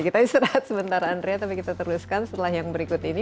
kita istirahat sebentar andrea tapi kita teruskan setelah yang berikut ini